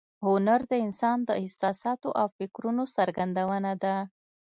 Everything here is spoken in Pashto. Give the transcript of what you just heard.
هنر د انسان د احساساتو او فکرونو څرګندونه ده